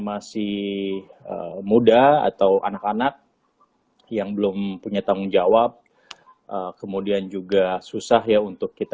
masih muda atau anak anak yang belum punya tanggung jawab kemudian juga susah ya untuk kita